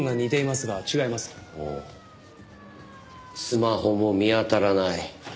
スマホも見当たらない。